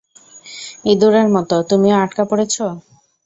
ইঁদুরের মতো, তুমিও আটকা পড়েছো।